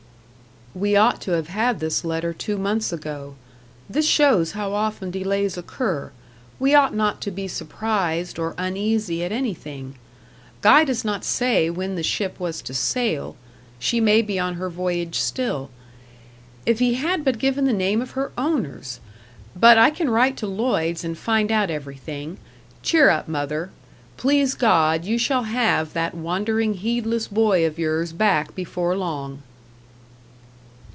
"We ought to have had this letter two months ago; this shows how often delays occur we ought not to be surprised or uneasy at anything. Guy does not say when the ship was to sail she may be on her voyage still. If he had but given the name of her owners! But I can write to Lloyd's and find out everything. Cheer up, mother. Please God, you shall have that wandering, heedless boy of yours back before long."